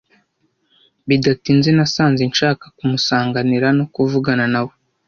Bidatinze nasanze nshaka kumusanganira no kuvugana nawe.